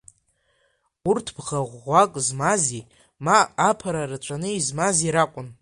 Урҭ бӷа ӷәӷәак змази, ма аԥара рацәаны измази ракәын.